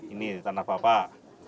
ini tanah bapak